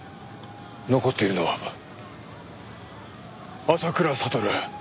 残っているのは浅倉悟。